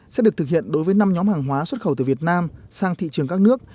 sẽ được thực hiện đối với năm nhóm hàng hóa xuất khẩu từ việt nam sang thị trường các nước